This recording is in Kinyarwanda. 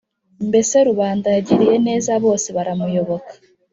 mbese rubanda yagiriye neza bose baramuyoboka